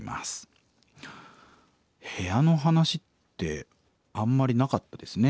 部屋の話ってあんまりなかったですね